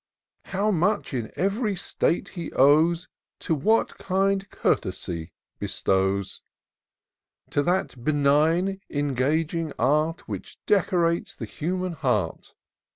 How much in every state he owes To what kind Courtesy bestows ! To that benign, engaging art Which decorates the human heart.